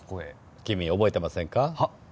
君は覚えていませんか？